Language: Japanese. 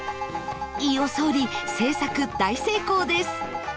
飯尾総理政策大成功です